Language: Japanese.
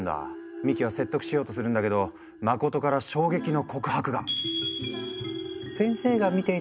三木は説得しようとするんだけど真から衝撃の告白が！